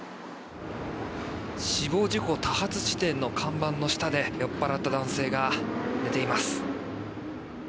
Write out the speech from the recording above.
死亡事故多発地点の看板の下で酔っぱらった男性が寝ています。